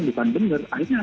ini tidak terbuka